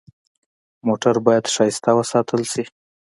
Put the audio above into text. موټر باید ښایسته وساتل شي.